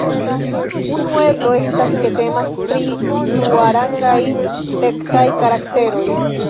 Unu eblo estas ke temas pri duarangaj seksaj karakteroj.